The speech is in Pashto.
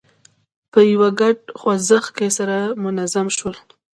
په یوه ګډ خوځښت کې سره منظم شول.